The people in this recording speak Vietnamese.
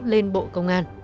lên bộ công an